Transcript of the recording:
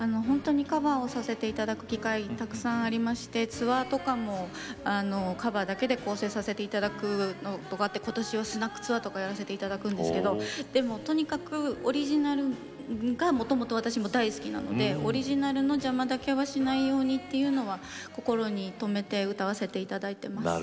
カバーをさせていただく機会たくさんありましてツアーとかもカバーだけで構成させていただく今年はスナックツアーというのもやらせていただくんですけれどとにかくオリジナルがもともと私は大好きなのでオリジナルの邪魔だけはしないようにっていうのは心に留めて歌わせていただいています。